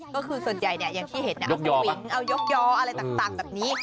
ก็คือส่วนใหญ่อย่างที่เห็นเอาสวิงเอายกยออะไรต่างแบบนี้